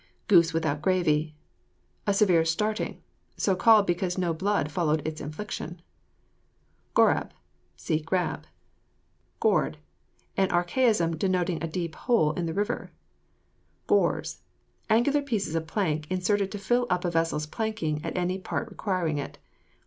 GOOSE WITHOUT GRAVY. A severe starting, so called because no blood followed its infliction. GORAB. See GRAB. GORD. An archaism denoting a deep hole in a river. GORES. Angular pieces of plank inserted to fill up a vessel's planking at any part requiring it.